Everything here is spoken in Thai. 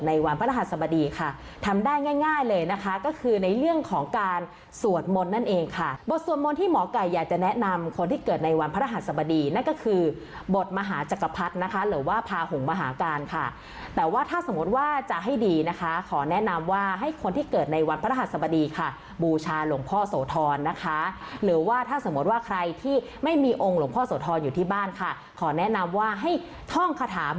ง่ายเลยนะคะก็คือในเรื่องของการสวดมนต์นั่นเองค่ะบทสวดมนต์ที่หมอกัยอยากจะแนะนำคนที่เกิดในวันพระราชสมดีนั่นก็คือบทมหาจักรพรรดินะคะหรือว่าพาหุงมหาการค่ะแต่ว่าถ้าสมมติว่าจะให้ดีนะคะขอแนะนำว่าให้คนที่เกิดในวันพระราชสมดีค่ะบูชาหลวงพ่อโสธรนะคะหรือว่าถ้าสมมติว่าใครที่ไม่มีอง